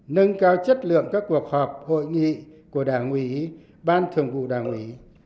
nâng cao chất lượng các cuộc họp hội nghị của đảng ủy ban thường vụ đảng ủy